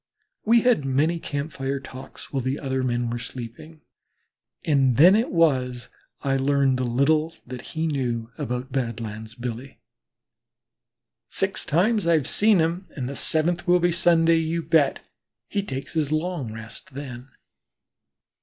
We had many camp fire talks while the other men were sleeping, and then it was I learned the little that he knew about Badlands Billy. "Six times have I seen him and the seventh will be Sunday, you bet. He takes his long rest then."